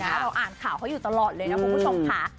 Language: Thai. เราอ่านข่าวเขาอยู่ตลอดเลยนะคุณผู้ชมค่ะ